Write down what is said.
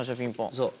そう。